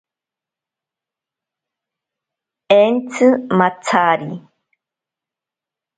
Entsi matsari.